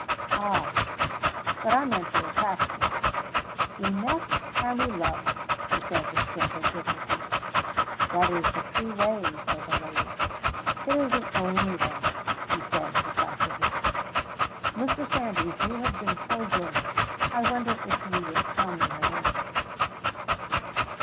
"Ah! but I meant your attachment." "We met and we loved," he said with gentle dignity. "That is the true way," said the lady. "It is the only way," he said decisively. "Mr. Sandys, you have been so good, I wonder if you would tell me her name?"